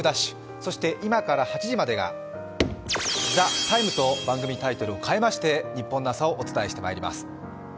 そして今から８時までが「ＴＨＥＴＩＭＥ，」と番組タイトルを変えましてニッポンの朝をお伝えしてまいります。